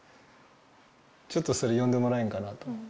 ちょっとそれ、読んでもらえんかなと思って。